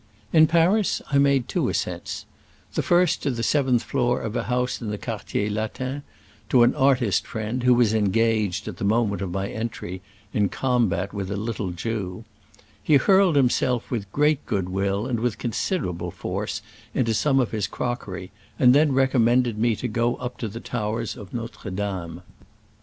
In Paris I made two ascents. The first to the seventh floor of a house in the Quartier Latin — to an artist friend, who was engaged, at the moment of my 9 Digitized by Google lO SCRAMBLES AMONGST THE ALPS IN 1860 ^69. entry, in combat with a little Jew. He hurled him with great good will and with considerable force into some of his crockery, and then recommended me to go up the towers of Notre Dame.